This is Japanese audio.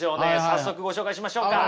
早速ご紹介しましょうか。